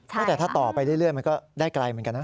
แต่ถ้าต่อไปเรื่อยมันก็ได้ไกลเหมือนกันนะ